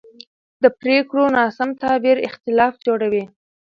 د پرېکړو ناسم تعبیر اختلاف جوړوي